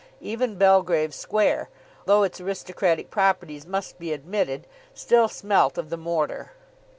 Even Belgrave Square, though its aristocratic properties must be admitted, still smelt of the mortar.